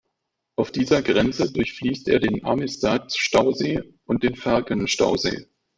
Auf dieser Grenze durchfließt er den Amistad-Stausee und den Falcon-Stausee.